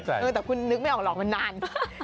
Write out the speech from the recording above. แต่คุณนึกไม่ออกหรอกมันนาน